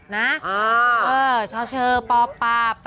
นะช่อปป๘๐๖๘